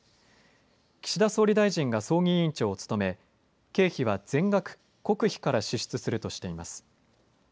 岸田総理大臣が葬儀委員長を務め経費は全額国費から支出するとしています。